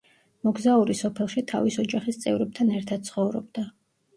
მოგზაური სოფელში თავის ოჯახის წევრებთან ერთად ცხოვრობდა.